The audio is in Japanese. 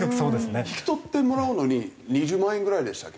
引き取ってもらうのに２０万円ぐらいでしたっけ？